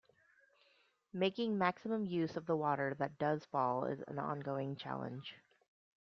Making maximum use of the water that does fall is an ongoing challenge.